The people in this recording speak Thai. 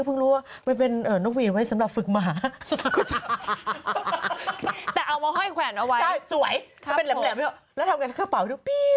ข้าตัวแบบอัดสมุดการ๑